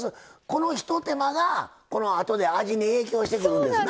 このひと手間がこのあとで味に影響してくるんですな。